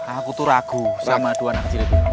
aku tuh ragu sama dua anak kecil itu